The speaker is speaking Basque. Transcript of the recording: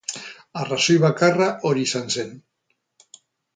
Arrazoi bakarra hori izan zen.